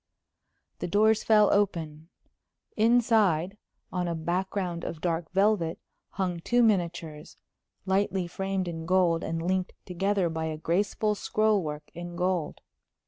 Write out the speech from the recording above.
The doors fell open. Inside, on a background of dark velvet, hung two miniatures, lightly framed in gold and linked together by a graceful scroll work in gold.